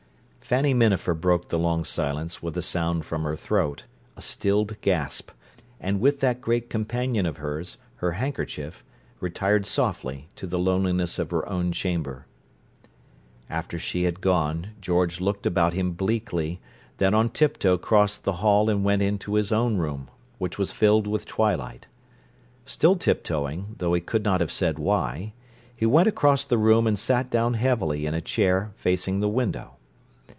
Fanny Minafer broke the long silence with a sound from her throat, a stilled gasp; and with that great companion of hers, her handkerchief, retired softly to the loneliness of her own chamber. After she had gone George looked about him bleakly, then on tiptoe crossed the hall and went into his own room, which was filled with twilight. Still tiptoeing, though he could not have said why, he went across the room and sat down heavily in a chair facing the window.